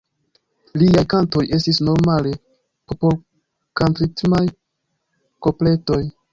Liaj kantoj estis normale popolkantritmaj kopletoj.